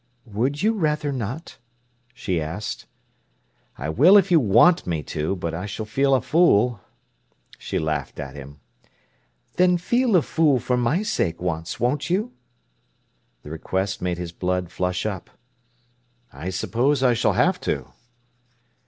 "Would you rather not?" she asked. "I will if you want me to; but I s'll feel a fool." She laughed at him. "Then feel a fool for my sake, once, won't you?" The request made his blood flush up. "I suppose I s'll have to."